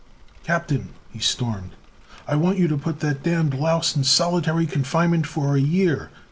"Captain!" he stormed. "I want you to put that damned louse in solitary confinement for a year.